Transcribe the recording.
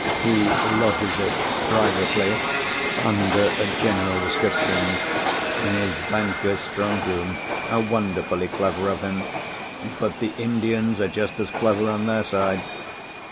He lodges it privately (under a general description) in his bankers' strongroom. Wonderfully clever of him: but the Indians are just as clever on their side.